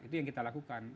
itu yang kita lakukan